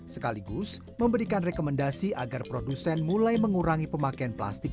sekaligus memberikan rekomendasi agar produsen mulai mengurangi pemakaian plastik